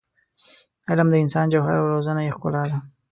علم د انسان جوهر او روزنه یې ښکلا ده.